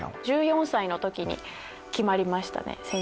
１４歳の時に決まりましたね。